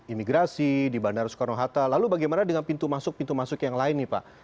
imigrasi di bandara soekarno hatta lalu bagaimana dengan pintu masuk pintu masuk yang lain nih pak